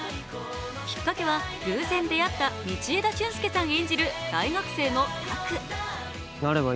きっかけは偶然であった道枝駿佑さん演じる大学生。